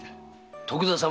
徳田様。